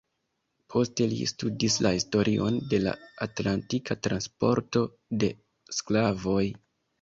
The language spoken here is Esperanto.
Poste li studis la historion de la atlantika transporto de sklavoj.